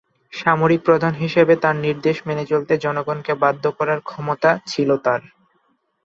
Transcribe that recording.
সামরিক প্রধান হিসেবে তার নির্দেশ মেনে চলতে জনগণকে বাধ্য করার ক্ষমতা তার ছিল।